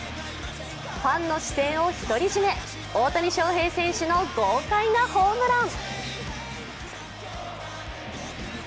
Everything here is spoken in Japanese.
ファンの視線を独り占め、大谷翔平選手の豪快なホームラン。